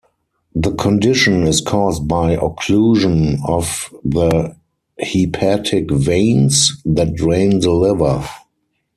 The condition is caused by occlusion of the hepatic veins that drain the liver.